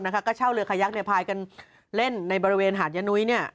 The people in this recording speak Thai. ว่าเช่าเรือขยักเนี่ยพายกันเล่นในบริเวณหาดยะนุ้ยเนี่ย